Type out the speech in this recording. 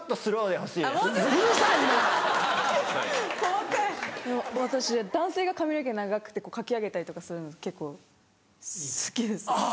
・細かい・私男性が髪の毛長くてかき上げたりとかするの結構好きです。